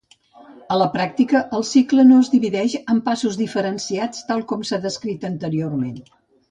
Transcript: A la pràctica el cicle no es divideix en passos diferenciats tal com s'ha descrit anteriorment.